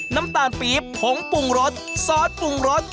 น้ำตาลปี๊บผงปรุงรสซอสปรุงรส